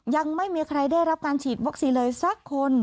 ยังไม่มีใครได้รับการฉีดวัคซีนเลยสักคน